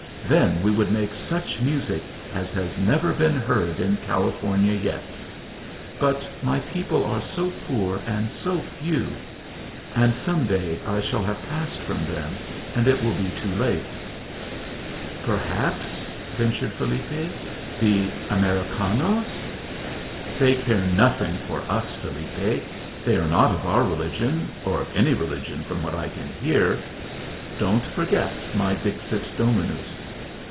Then we would make such music as has never been heard in California yet. But my people are so poor and so few! And some day I shall have passed from them, and it will be too late." "Perhaps," ventured Felipe, "the Americanos " "They care nothing for us, Felipe. They are not of our religion or of any religion, from what I can hear. Don't forget my Dixit Dominus."